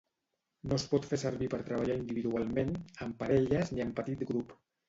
No es pot fer servir per treballar individualment, en parelles ni en petit grup.